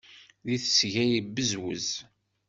Di tesga yebbezwez.